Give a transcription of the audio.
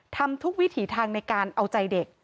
ทำทุกวิถีทางในการเอาใจเด็ก